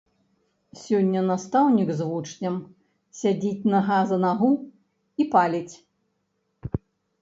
Сёння настаўнік з вучнем сядзіць нагу за нагу і паліць.